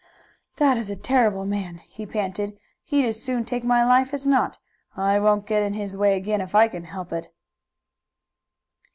"That is a terrible man!" he panted. "He'd as soon take my life as not. I won't get in his way again if I can help it."